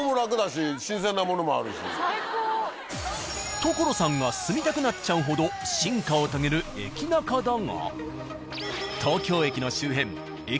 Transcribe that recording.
所さんが住みたくなっちゃうほど進化を遂げるエキナカだが。